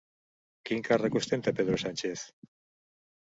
Quin càrrec ostenta Pedro Sánchez?